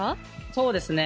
そうですね。